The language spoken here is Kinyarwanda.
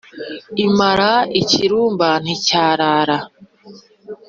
Imara ikirumba nticyarara,